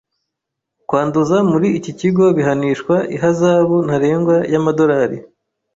Kwanduza muri iki kigo bihanishwa ihazabu ntarengwa y’amadolari .